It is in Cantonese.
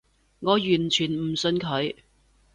我完全唔信佢